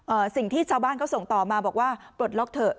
สิ่งที่ชาวบ้านเขาส่งต่อมาบอกว่าปลดล็อกเถอะ